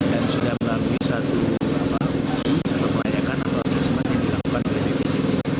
dan sudah melalui satu uji atau pelayakan atau asesmen yang dilakukan oleh bgt